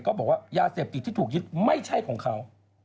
บอกว่ายาเสพติดที่ถูกยึดไม่ใช่ของเขา